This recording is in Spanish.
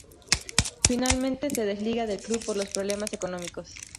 Finalmente se desliga del club por los problemas económicos.